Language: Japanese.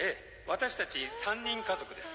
私たち３人家族です